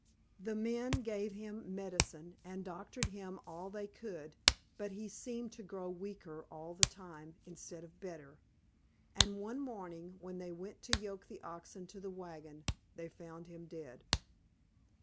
The men gave him medicine and doctored him all they could, but he seemed to grow weaker all the time instead of better, and one morning, when they went to yoke the oxen to the wagon, they found him dead.